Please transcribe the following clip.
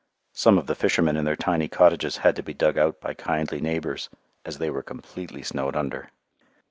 Some of the fishermen in their tiny cottages had to be dug out by kindly neighbours, as they were completely snowed under!